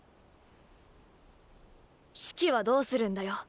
四季はどうするんだよ。